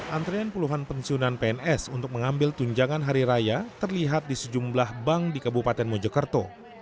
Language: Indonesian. antrean puluhan pensiunan pns untuk mengambil tunjangan hari raya terlihat di sejumlah bank di kabupaten mojokerto